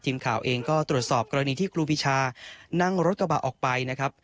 ทีมข่าวเองก็ตรวจสอบกรณีที่ครูปีชานั่งรถกระบะออกไปนะครับ